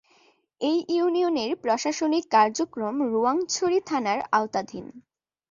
এ ইউনিয়নের প্রশাসনিক কার্যক্রম রোয়াংছড়ি থানার আওতাধীন।